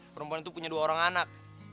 perempuan itu punya dua orang anak